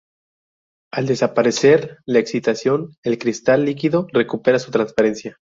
Al desaparecer la excitación, el cristal líquido recupera su transparencia.